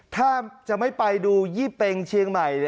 ถ้าจะไม่ไปดูยี่เป็งเชียงใหม่